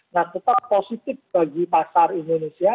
nah tetap positif bagi pasar indonesia